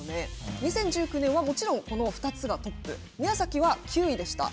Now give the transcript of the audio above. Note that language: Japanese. ２０１９年はこの２つがトップ宮崎は９位でした。